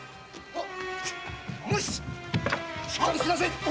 あっ！